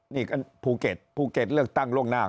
นี่ก็ภูเก็ตภูเก็ตเลือกตั้งล่วงหน้า